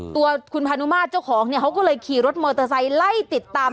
ตัวคุณพานุมาตรเจ้าของเนี่ยเขาก็เลยขี่รถมอเตอร์ไซค์ไล่ติดตาม